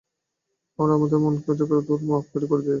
আমরা আমাদের মনকেই সমগ্র জগতের মাপকাঠি করিতে চাই।